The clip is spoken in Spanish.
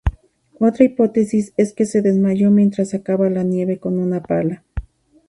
Otra hipótesis es que se desmayó mientras sacaba la nieve con una pala.